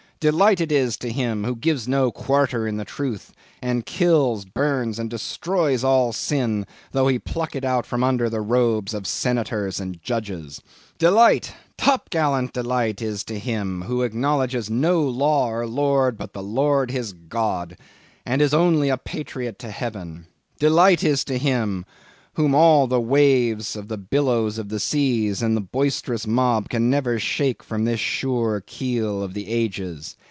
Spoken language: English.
Delight is to him, who gives no quarter in the truth, and kills, burns, and destroys all sin though he pluck it out from under the robes of Senators and Judges. Delight,—top gallant delight is to him, who acknowledges no law or lord, but the Lord his God, and is only a patriot to heaven. Delight is to him, whom all the waves of the billows of the seas of the boisterous mob can never shake from this sure Keel of the Ages.